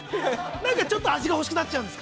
なんかちょっと、味が欲しくなっちゃうんですか。